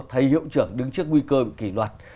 thầy hiệu trưởng đứng trước nguy cơ kỳ luật